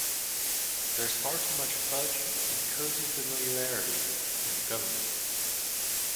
There's far too much fudge and cosy familiarity in government.